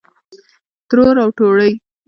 ترور او توړۍ